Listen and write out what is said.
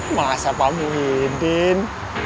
masa pak muhyiddin